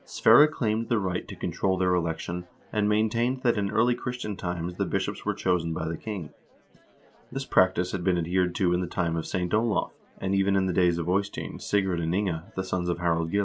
Sverre claimed the right to control their election, and maintained that in early Christian times the bishops were chosen by the king. This practice had been adhered to in the time of St. Olav, and even in the days of Eystein, Sigurd, and Inge, the sons of Harald Gille.